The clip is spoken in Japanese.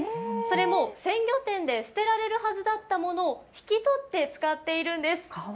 それも鮮魚店で捨てられるはずだったものを、引き取って使っているんです。